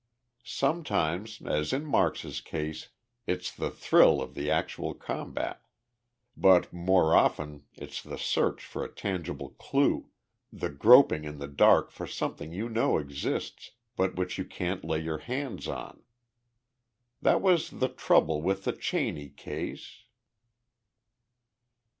Sometimes, as in Marks's case, it's the thrill of the actual combat. But more often it's the search for a tangible clue the groping in the dark for something you know exists but which you can't lay your hands on. That was the trouble with the Cheney case...."